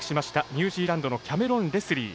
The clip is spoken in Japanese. ニュージーランドのキャメロン・レスリー。